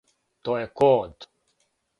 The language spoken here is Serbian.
То је код!